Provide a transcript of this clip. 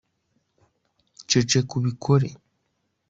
ceceka ubikore